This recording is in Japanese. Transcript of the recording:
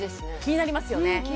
気になりますよね